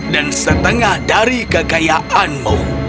dan setengah dari kekayaanmu